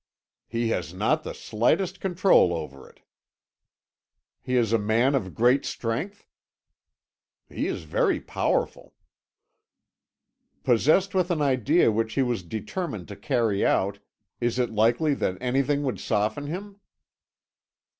"He has not the slightest control over it." "He is a man of great strength?" "He is very powerful." "Possessed with an idea which he was determined to carry out, is it likely that anything would soften him?"